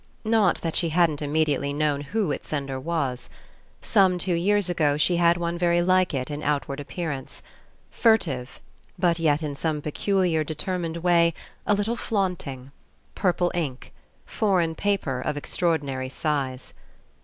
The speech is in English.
Not that she hadn't immediately known who its sender was. Some two years ago she had one very like it in outward appearance. Furtive, but yet in some peculiar, determined way a little flaunt ing. Purple ink. Foreign paper of extraordinary size.